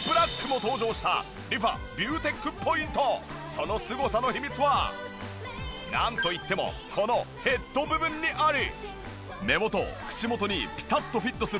そのすごさの秘密はなんといってもこのヘッド部分にあり。